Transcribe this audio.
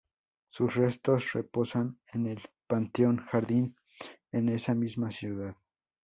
Sus restos reposan en el Panteón Jardín, en esa misma ciudad.